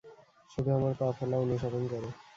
শুধু আমার পা ফেলা অনুসরণ করো।